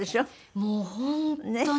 もう本当に。